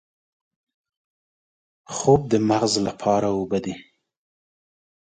خوب د مغز لپاره اوبه دي